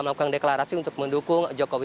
melakukan deklarasi untuk mendukung jokowi